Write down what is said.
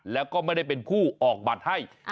แล้วก็ไม่ได้เป็นผู้ออกบัตรให้